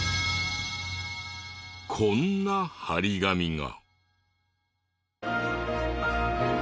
こんな貼り紙が。